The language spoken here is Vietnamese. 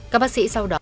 các bác sĩ sau đó